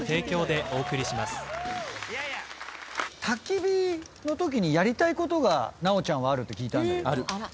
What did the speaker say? たき火のときにやりたいことが直ちゃんはあるって聞いたけど。